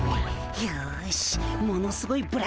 よしものすごい